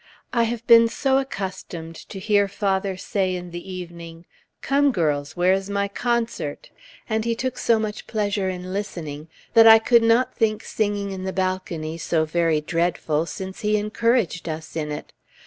I have been so accustomed to hear father say in the evening, "Come, girls! where is my concert?" and he took so much pleasure in listening, that I could not think singing in the balcony was so very dreadful, since he encouraged us in it.